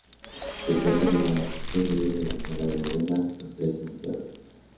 Se trata de una adaptación libre de la saga de novelas "Los tres investigadores".